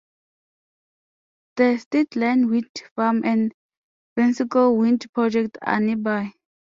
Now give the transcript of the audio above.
The Stateline Wind Farm and Vansycle Wind Project are nearby.